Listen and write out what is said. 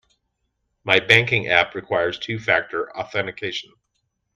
My banking app requires two factor authentication.